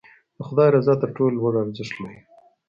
د خدای رضا تر ټولو لوړ ارزښت لري.